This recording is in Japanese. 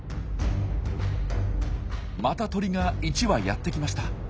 また鳥が１羽やって来ました。